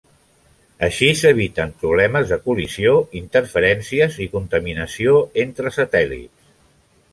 Així s'eviten problemes de col·lisió, interferències i contaminació entre satèl·lits.